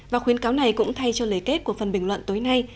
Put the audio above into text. và khuyến cáo này cũng thay cho lời kết của phần bình luận tối nay